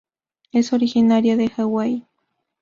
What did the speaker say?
Es originaria de Hawái.